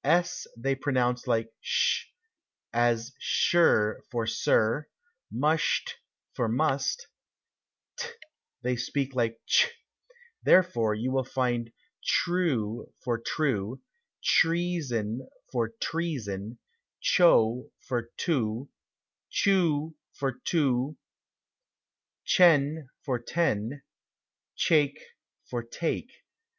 S they pronounce like sh, as sher for sir; musht for must; t they speak like ch, therefore you will find chrue for true; chreason for treason; cho for to; choo for two; chen for ten; chake for take.